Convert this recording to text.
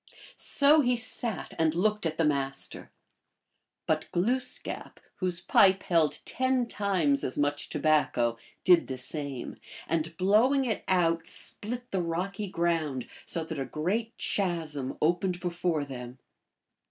So he sat and looked at the Master. But Gloos kap, whose pipe held ten times as much tobacco, did the same, and blowing it out split the rocky ground, so that a great chasm opened before them.